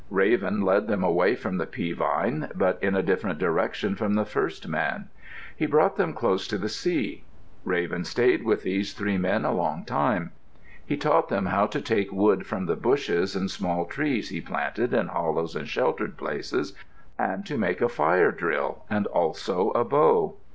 Raven led them away from the pea vine, but in a different direction from the first man. He brought them close to the sea. Raven stayed with these three men a long time. He taught them how to take wood from the bushes and small trees he planted in hollows and sheltered places, and to make a fire drill, and also a bow.